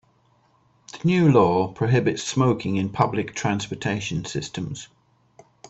The new law prohibits smoking in public transportation systems.